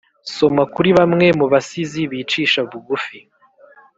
soma kuri bamwe mubasizi bicisha bugufi,